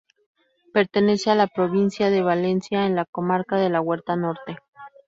Pertenece a la provincia de Valencia, en la comarca de la Huerta Norte.